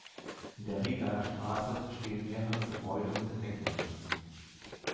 In der Rigaer Straße stehen mehrere Gebäude unter Denkmalschutz.